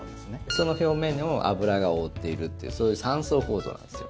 その表面を脂が覆っているというそういう三層構造なんですよ。